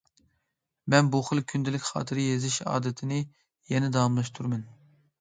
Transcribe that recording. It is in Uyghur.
مەن بۇ خىل كۈندىلىك خاتىرە يېزىش ئادىتىنى يەنە داۋاملاشتۇرىمەن.